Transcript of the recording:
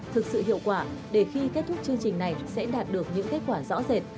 thực sự hiệu quả để khi kết thúc chương trình này sẽ đạt được những kết quả rõ rệt